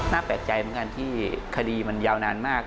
แปลกใจเหมือนกันที่คดีมันยาวนานมาก